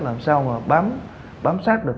làm sao mà bám sát được